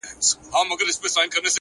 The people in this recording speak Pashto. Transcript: ښکلی دی، د سرو ګلو پهٔ ټل کې دی